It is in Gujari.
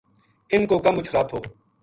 اِن کو کم مچ خراب تھو